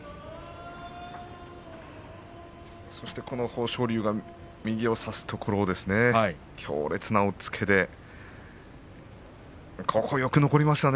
そしてこの豊昇龍が右を差すところを強烈な押っつけでここ、よく残りましたね。